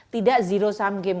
tidak zero sum game